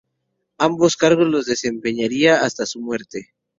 Ambos cargos los desempeñaría hasta su muerte.